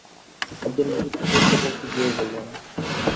আব্দুল মজিদ কী-একটা বলতে গিয়েও বলল না।